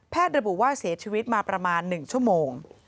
ระบุว่าเสียชีวิตมาประมาณ๑ชั่วโมง